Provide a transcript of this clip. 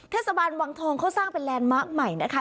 เทศบาลวังทองเขาสร้างเป็นแลนด์มาร์คใหม่นะคะ